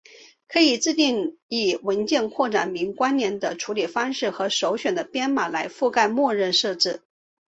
可以自定义文件扩展名关联的处理方式和首选的编码来覆盖默认设置。